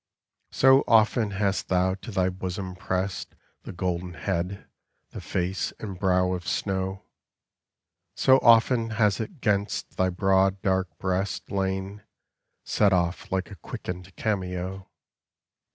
So often hast thou to thy bosom pressed The golden head, the face and brow of snow; So often has it 'gainst thy broad, dark breast Lain, set off like a quickened cameo.